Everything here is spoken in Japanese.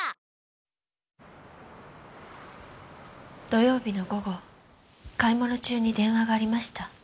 土曜日の午後買い物中に電話がありました。